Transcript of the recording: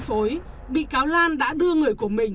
những người bị chi phối bị cáo lan đã đưa người của mình